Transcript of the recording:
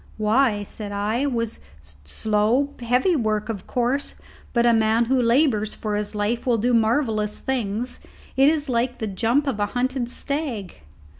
"Why," said I, "'twas slow, heavy work, of course; but a man who labours for his life will do marvellous things. It is like the jump of a hunted stag."